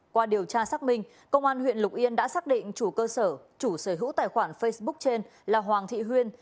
qua điều tra xác minh công an huyện lục yên đã xác định chủ cơ sở chủ sở hữu tài khoản facebook trên là hoàng thị huyên